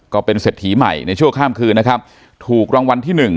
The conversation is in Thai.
ก็เป็นเศรษฐีใหม่ในชั่วข้ามคืนนะครับถูกรางวัลที่หนึ่ง